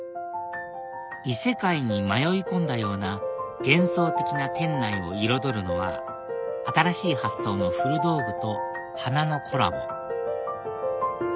異世界に迷い込んだような幻想的な店内を彩るのは新しい発想の古道具と花のコラボ